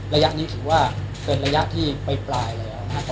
ระยะนี้ถือว่าเป็นระยะที่ไปปลายแล้วนะครับ